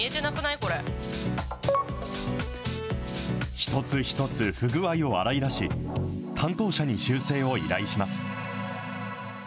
一つ一つ不具合を洗い出し、担当者に修正を依頼します。